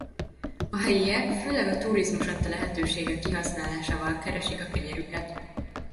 A helyiek főleg a turizmus adta lehetőségek kihasználásával keresik a kenyerüket.